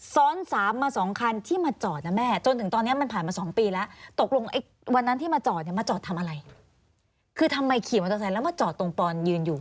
ซ้อนสามมาสองคันที่มาจอดนะแม่จนถึงตอนนี้มันผ่านมา๒ปีแล้วตกลงไอ้วันนั้นที่มาจอดเนี่ยมาจอดทำอะไรคือทำไมขี่มอเตอร์ไซค์แล้วมาจอดตรงปอนยืนอยู่